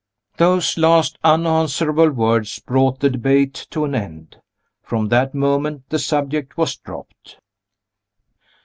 Those last unanswerable words brought the debate to an end. From that moment the subject was dropped.